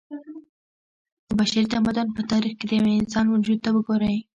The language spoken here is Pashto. د بشري تمدن په تاريخ کې د يوه انسان وجود ته وګورئ